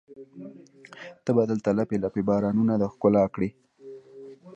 ته به دلته لپې، لپې بارانونه د ښکلا کړي